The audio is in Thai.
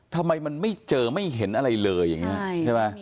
ทำไมมันไม่เจอไม่เห็นอะไรเลยใช่ไหม